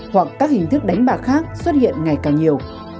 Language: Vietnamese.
hoặc các hình thức đánh bạc khác xuất hiện ngày càng nhiều